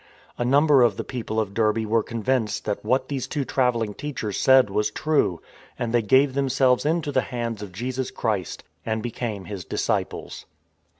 A number of the people of Derbe were convinced that what these two travelling teachers said was true; and they gave themselves into the hands of Jesus Christ and be came His disciples.